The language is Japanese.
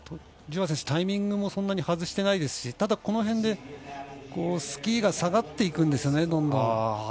タイミングもそんなに外していないですしただ、この辺でスキーが下がっていくんですよねどんどん。